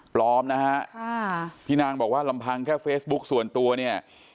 ปลอมนะฮะค่ะพี่นางบอกว่าลำพังแค่เฟซบุ๊คส่วนตัวเนี่ย